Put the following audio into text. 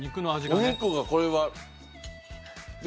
お肉がこれは。